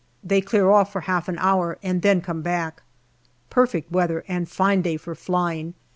They clear off for half an hour and then come back. Perfect weather, and fine day for flying.